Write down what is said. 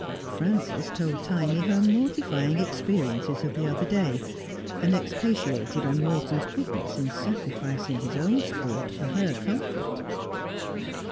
Frances told Tiny her mortifying experiences of the other day, and expatiated on Morton's goodness in sacrificing his own sport for her comfort.